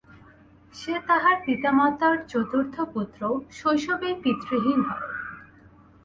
সে তাহার পিতামাতার চতুর্থ পুত্র, শৈশবেই পিতৃহীন হয়।